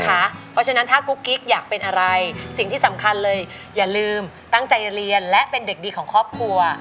เพราะฉะนั้นถ้ากุ๊กกิ๊กอยากเป็นอะไรสิ่งที่สำคัญเลยอย่าลืมตั้งใจเรียนและเป็นเด็กดีของครอบครัว